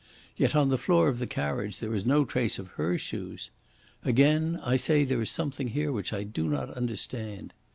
Yet on the floor of the carriage there is no trace of her shoes. Again I say there is something here which I do not understand."